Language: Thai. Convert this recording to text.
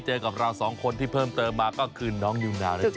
เจอกับเรา๒คนที่เพิ่มเติมมาก็คือน้องยูนาหรือจ๊ะ